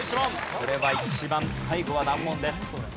これは一番最後は難問です。